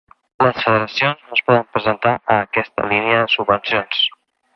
Les federacions no es poden presentar a aquesta línia de subvencions.